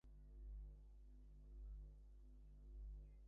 এমনি এক পার্টিতে ফার্নান্দোর সাথে আমার দেখা হয়।